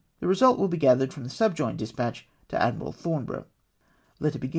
The result will be gathered from the subjoined despatch to Admiral Thornborough.